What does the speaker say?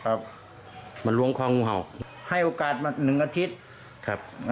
มาล้วงคองูเห่าให้โอกาสมาหนึ่งอาทิตย์ครับ